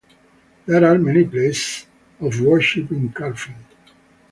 There are many places of worship in Carfin.